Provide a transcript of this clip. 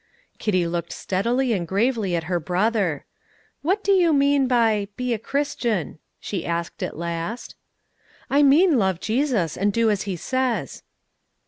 Kitty looked steadily and gravely at her brother. "What do you mean by 'be a Christian?'" she asked at last. "I mean love Jesus, and do as He says."